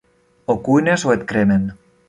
O cuines o et cremen.